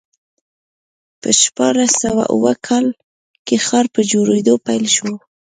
په شپاړس سوه اووه کال کې ښار په جوړېدو پیل شو.